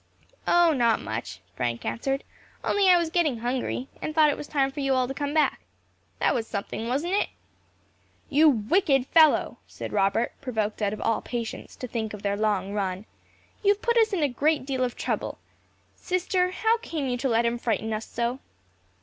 "O, not much," Frank answered, "only I was getting hungry, and thought it was time for you all to come back. That was something, wasn't it?" "You wicked fellow!" said Robert, provoked out of all patience, to think of their long run. "You have put us to a great deal of trouble. Sister, how came you to let him frighten us so?"